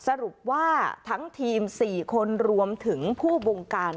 สรุปว่าทั้งทีม๔คนรวมถึงผู้บงการ